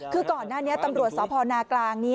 คือก่อนหน้านี้ตำรวจสพนากลาง